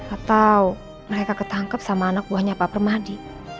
atau mereka ketangkep sama anak buahnya pak permadi